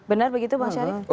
benar begitu bang syarif